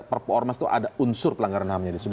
perpuormas itu ada unsur pelanggaran ham di sini